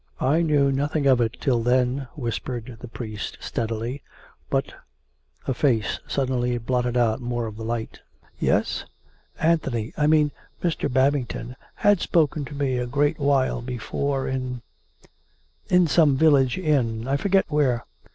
" I knew nothing of it till then," whispered the priest steadily. " But " (A face suddenly blotted out more of the light.) "Yes?" " Anthony — I mean Mr. Babington — had spoken to me a great while before — in ... in some village inn. ... I forget where.